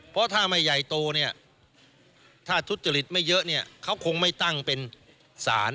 เพราะถ้าไม่ใหญ่โตเนี่ยถ้าทุจริตไม่เยอะเนี่ยเขาคงไม่ตั้งเป็นศาล